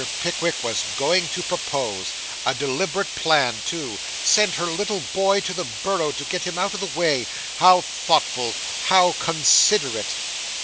Pickwick was going to propose a deliberate plan, too sent her little boy to the Borough, to get him out of the way how thoughtful how considerate!